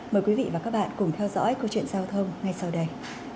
mời quý vị và các bạn cùng theo dõi câu chuyện giao thông ngay sau đây